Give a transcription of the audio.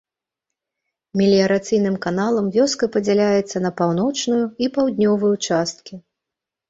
Меліярацыйным каналам вёска падзяляецца на паўночную і паўднёвую часткі.